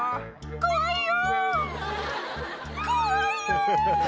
怖いよー。